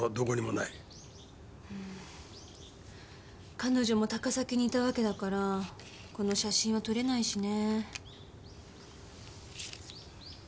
彼女も高崎にいた訳だからこの写真は撮れないしね。